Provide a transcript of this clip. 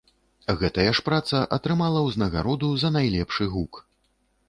Гэтая ж праца атрымала ўзнагароду за найлепшы гук.